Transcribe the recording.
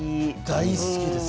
大好きです。